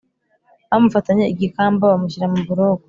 bamufatanye igikamba bamushyira mu buroko